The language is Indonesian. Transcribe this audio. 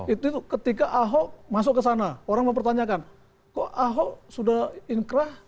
itu ketika ahok masuk ke sana orang mempertanyakan kok ahok sudah inkrah